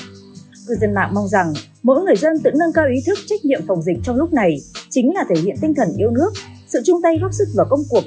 các cư dân mạng mong rằng mỗi người dân tự nâng cao ý thức trách nhiệm phòng dịch trong lúc này chính là thể hiện tinh thần yêu nước sự chung tay góp sức và công cuộc